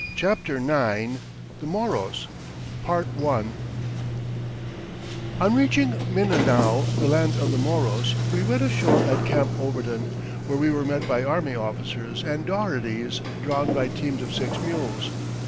] CHAPTER IX THE MOROS On reaching Mindanao, the land of the Moros, we went ashore at Camp Overton, where we were met by army officers and dougherties drawn by teams of six mules.